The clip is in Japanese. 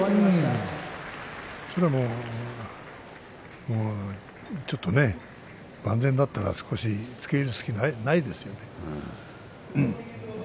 それはちょっとね万全だったらつけいる隙がないですよね。